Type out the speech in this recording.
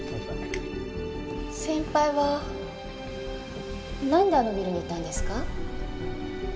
先輩はなんであのビルにいたんですか？